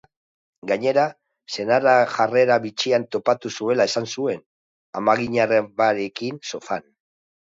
Gainera, senarra jarrera bitxian topatu zuela esan zuen, amaginarrebarekin sofan.